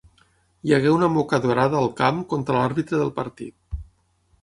Hi hagué una mocadorada al camp contra l'àrbitre del partit.